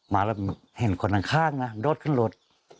มาแล้วเห็นคนข้างนะโดดขึ้นรถ